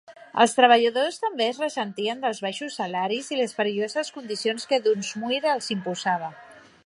Els treballadors també es ressentien dels baixos salaris i les perilloses condicions que Dunsmuir els imposava.